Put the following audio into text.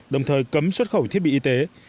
đồng thời cấm xuất khẩu thiết bị y tế